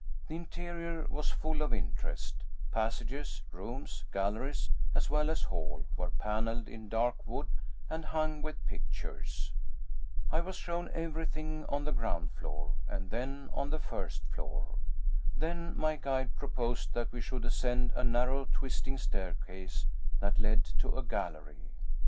The interior was full of interest passages, rooms, galleries, as well as hall, were panelled in dark wood and hung with pictures. I was shown everything on the ground floor, and then on the first floor. Then my guide proposed that we should ascend a narrow twisting staircase that led to a gallery.